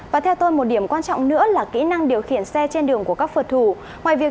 và theo tôi một điểm quan trọng nữa là kỹ năng điều khiển xe trên đường của các phật thủ việc